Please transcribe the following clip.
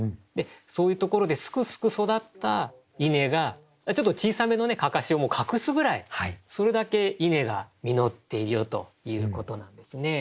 そういうところですくすく育った稲がちょっと小さめの案山子をもう隠すぐらいそれだけ稲が実っているよということなんですね。